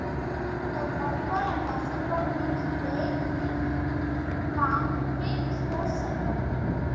The volleyball and basketball teams play in Pamplin Sports Center.